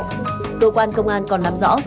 cơ quan công an còn làm rõ